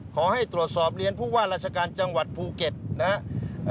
ขอให้ตรวจสอบเรียนผู้ว่าราชการจังหวัดภูเก็ตนะครับ